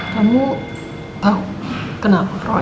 kamu tau kenapa roy